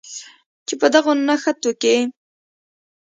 چې په دغو نښتو کې